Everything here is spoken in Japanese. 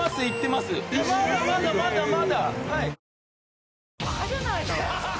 まだまだまだまだ。